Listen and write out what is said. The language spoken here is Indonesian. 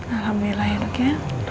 alhamdulillah ya dok ya